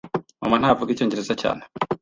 Mama ntavuga Icyongereza cyane.